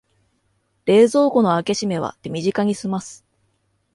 冷蔵庫の開け閉めは手短にすます